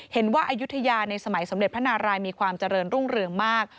อายุทยาในสมัยสมเด็จพระนารายมีความเจริญรุ่งเรืองมาก